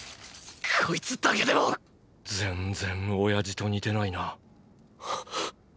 こいつだけでもーー全然親父と似てないな。